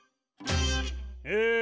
え